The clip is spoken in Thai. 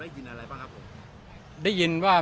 ได้ครับได้ครับ